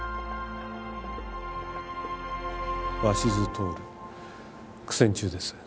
鷲津亨苦戦中です。